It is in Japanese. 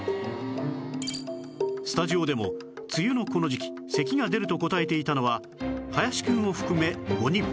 スタジオでも梅雨のこの時期咳が出ると答えていたのは林くんを含め５人